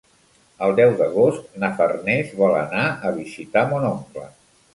El deu d'agost na Farners vol anar a visitar mon oncle.